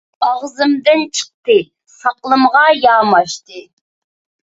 ئاغزىمدىن چىقتى، ساقىلىمغا ياماشتى.